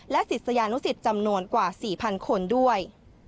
ศิษยานุสิตจำนวนกว่า๔๐๐คนด้วย